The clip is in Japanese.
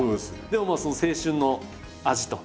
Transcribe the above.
でもまあ青春の味と。